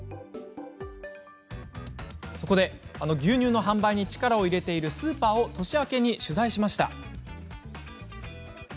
牛乳の販売に力を入れているスーパーを年明けに取材しました。